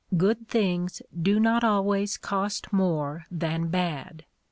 Good things do not always cost more than bad.